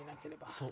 そう！